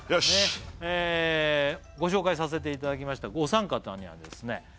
しっご紹介させていただきましたお三方にはですね